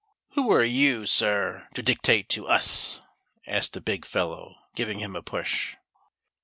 " Who are you, sir, to dictate to us }" asked a big fellow, giving him a push.